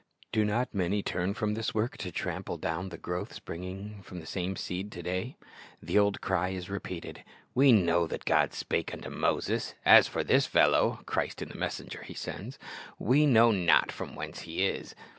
Do not many turn from this w^ork to trample down the growth springing from the same seed to day? The old cry is repeated, "We kiunv that God spake unto Moses; as for this fellow [Christ in the messenger He sends], we know not from whence he is."'